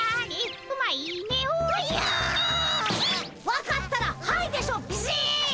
分かったら「はい」でしょビシッ！